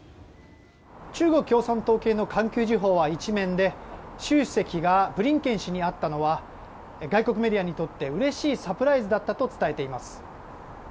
中国共産党系の環球時報は１面で習主席がブリンケン氏に会ったのは外国メディアにとってうれしいサプライズだったと伝えています。